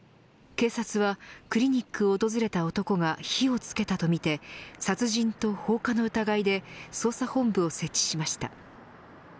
警察はクリニックを訪れた男が火をつけたとみて殺人と放火の疑いで捜査本部を設置しました。